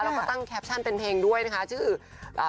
แล้วก็ตั้งแคปชั่นเป็นเพลงด้วยนะคะ